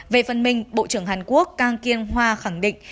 về phần mình bộ trưởng hàn quốc cang kiên hoa khẳng định